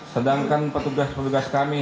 sedangkan petugas petugas kami